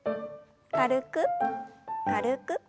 軽く軽く。